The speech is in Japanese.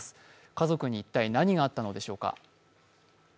家族に一体何があったのでしょうか。